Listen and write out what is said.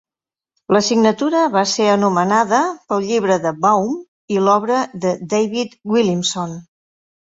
La signatura va ser anomenada pel llibre de Baum i l'obra de David Williamson.